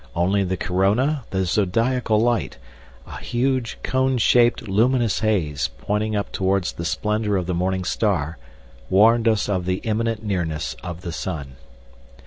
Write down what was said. Only the Corona, the Zodiacal light, a huge cone shaped, luminous haze, pointing up towards the splendour of the morning star, warned us of the imminent nearness of the sun.